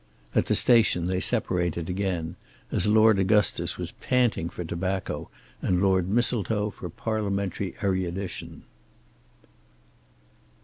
At the station they separated again, as Lord Augustus was panting for tobacco and Lord Mistletoe for parliamentary erudition.